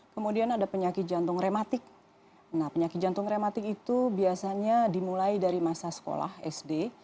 kemudian ada penyakit jantung reumatik nah penyakit jantung reumatik itu biasanya dimulai dari masa sekolah sd